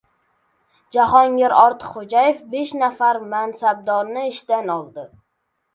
Jahongir Ortiqxo‘jayev besh nafar mansabdorni ishdan oldi